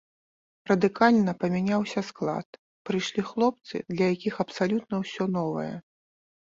Радыкальна памяняўся склад, прыйшлі хлопцы, для якіх абсалютна ўсё новае.